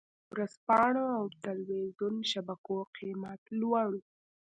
ورځپاڼو او ټلویزیون شبکو قېمت لوړ و.